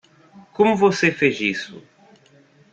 Como você fez isso?